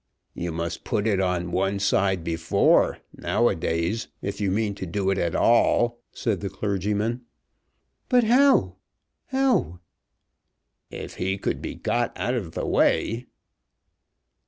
"You must put it on one side before, now a days, if you mean to do it at all," said the clergyman. "But how? how?" "If he could be got out of the way."